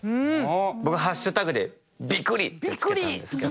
僕ハッシュダグで「＃ビクリ！！」って付けたんですけど。